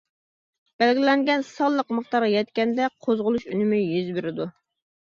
بەلگىلەنگەن سانلىق مىقدارغا يەتكەندە قوزغىلىش ئۈنۈمى يۈز بېرىدۇ.